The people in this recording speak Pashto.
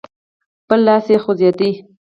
بل لاس يې خوځېده.